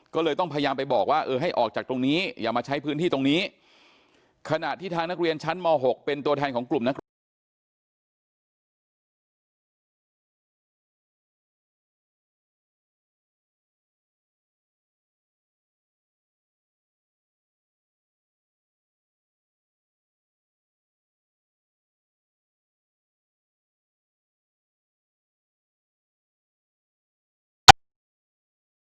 ก็เลยต้องพยายามไปบอกว่าเออให้ออกจากตรงนี้อย่ามาใช้พื้นที่ตรงนี้ขณะที่ทางนักเรียนชั้นม๖เป็นตัวแทนของกลุ่มนักเรียน